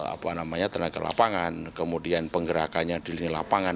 apa namanya tenaga lapangan kemudian penggerakannya di lini lapangan